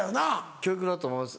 教育だと思います